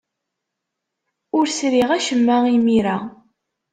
Ur sriɣ acemma imir-a.